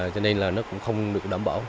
cho nên là nó cũng không được đảm bảo